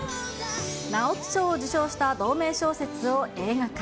直木賞を受賞した同名小説を映画化。